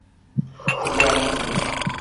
খুব ক্লান্ত ছিলাম।